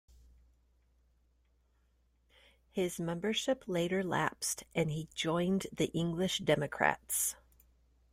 His membership later lapsed and he joined the English Democrats.